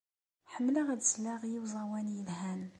Ḥemmleɣ ad sleɣ i uẓawan yelhan.